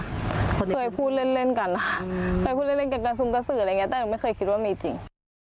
เคยพูดเล่นกันค่ะก็คุยด้วยกันกับซุมกระสืออะไรเนี่ยแต่ผมไม่เคยคิดว่ามันจริง